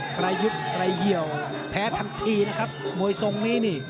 ใครยุดใครเยี่ยวแพ้ทำทีนะครับมวยทรงนี้นี่